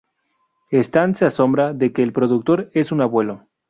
Stan se asombra de que el productor es "un abuelo".